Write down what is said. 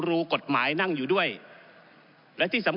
ก็ได้มีการอภิปรายในภาคของท่านประธานที่กรกครับ